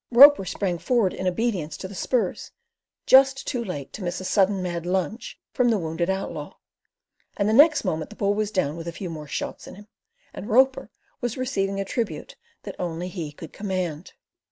Roper sprang forward in obedience to the spurs, just too late to miss a sudden, mad lunge from the wounded outlaw, and the next moment the bull was down with a few more shots in him, and Roper was receiving a tribute that only he could command.